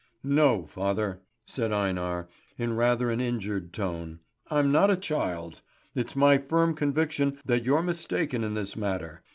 "No, father," said Einar, in rather an injured tone: "I'm not a child. It's my firm conviction that you're mistaken in this matter.